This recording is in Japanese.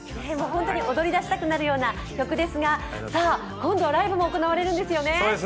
本当に踊りだしたくなるような曲ですが今度ライブも行われるんですよね。